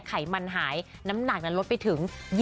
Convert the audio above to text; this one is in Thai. ไขมันหายน้ำหนักนั้นลดไปถึง